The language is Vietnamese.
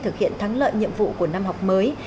thực hiện thắng lợi nhiệm vụ của năm học mới